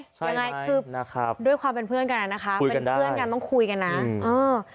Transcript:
ยังไงคือนะครับด้วยความเป็นเพื่อนกันอ่ะนะคะเป็นเพื่อนกันต้องคุยกันนะเออ